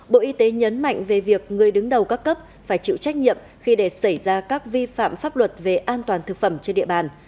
bộ y tế nhấn mạnh về việc người đứng đầu các cấp phải chịu trách nhiệm khi để xảy ra các vi phạm pháp luật về an toàn thực phẩm trên địa bàn